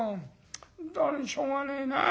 本当にしょうがねえなあ。